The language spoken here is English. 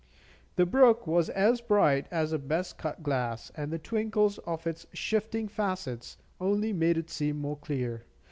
The brook was as bright as the best cut glass, and the twinkles of its shifting facets only made it seem more clear.